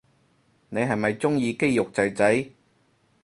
你係咪鍾意肌肉仔仔